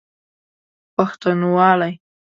پښتونوالی